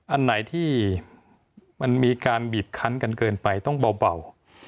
อันไหนที่มันมีการบีบคันกันเกินไปต้องเบา